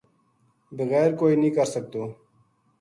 بغیر کوئے نیہہ کر سکتو‘‘